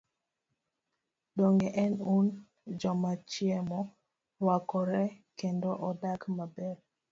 Donge en un joma chiemo, rwakore kendo odak maber?